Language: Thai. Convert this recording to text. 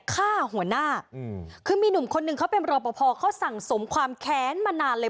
ฆ่าหัวหน้าคือมีหนุ่มคนหนึ่งเขาเป็นรอปภเขาสั่งสมความแค้นมานานเลย